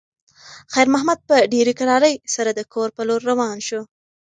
خیر محمد په ډېرې کرارۍ سره د کور په لور روان شو.